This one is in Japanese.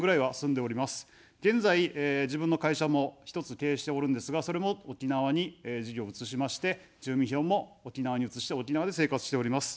現在、自分の会社も１つ経営しておるんですが、それも沖縄に事業を移しまして、住民票も沖縄に移して、沖縄で生活しております。